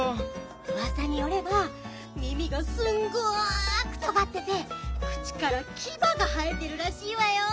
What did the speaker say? うわさによれば耳がすんごくとがってて口からキバが生えてるらしいわよ。